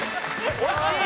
惜しい！